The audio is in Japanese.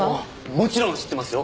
もちろん知ってますよ。